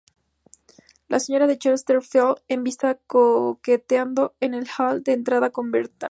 La señora de Chesterfield es vista coqueteando en el hall de entrada con Bertram.